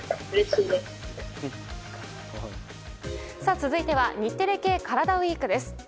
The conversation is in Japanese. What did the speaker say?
続いては日テレ系カラダＷＥＥＫです。